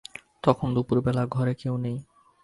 তখন দুপুরবেলা, ঘরে কেউ নেই।